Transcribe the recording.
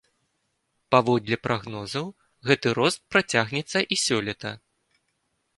Паводле прагнозаў, гэты рост працягнецца і сёлета.